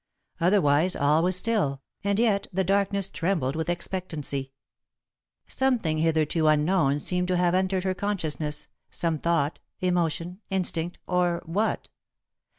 Otherwise all was still, and yet the darkness trembled with expectancy. Something hitherto unknown seemed to have entered her consciousness, some thought, emotion, instinct, or what?